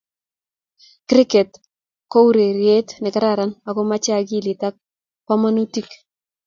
Kriket o urerie ne kararan ako mochei akilit ak bomkonutik.